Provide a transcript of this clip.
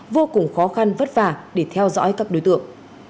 vô cùng khó khăn vất vả để theo dõi các đối tượng